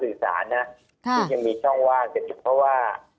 ที่ยังมีช่องว่างเพราะว่า